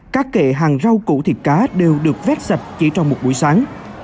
các kệ hàng rau củ thịt cá đều được vét sạch chỉ trong một buổi sáng